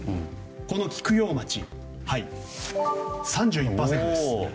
この菊陽町、３１％です。